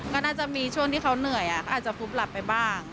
ก็น่าจะมีช่วงที่เขาเหนื่อยก็อาจจะฟุบหลับไปบ้าง